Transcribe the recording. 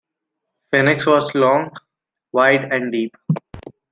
"Phoenix" was long, wide and deep.